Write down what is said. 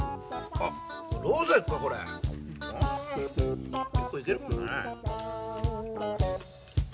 あ結構いけるもんだね。